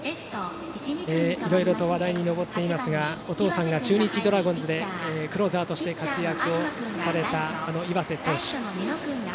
いろいろと話題に上っていますがお父さんが中日ドラゴンズでクローザーとして活躍をされた岩瀬仁紀投手。